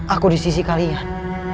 aku di sisi kalian